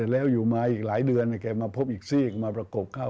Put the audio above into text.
แล้วอยู่มาอีกหลายเดือนแกมาพบอีกซีกมาประกบเข้า